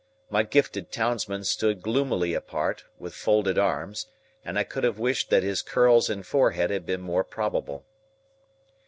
My gifted townsman stood gloomily apart, with folded arms, and I could have wished that his curls and forehead had been more probable.